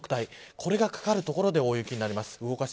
これが掛かる所で大雪になります。